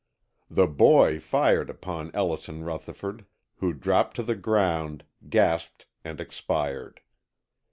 The "boy" fired upon Ellison Rutherford, who dropped to the ground, gasped and expired.